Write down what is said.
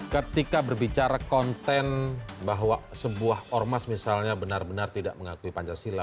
ketika berbicara konten bahwa sebuah ormas misalnya benar benar tidak mengakui pancasila